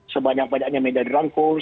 sebanyak banyaknya media dirangkum